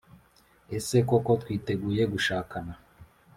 Ese koko twiteguye gushakana